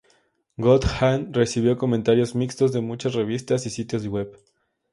God hand recibió comentarios mixtos de muchas revistas y sitios web.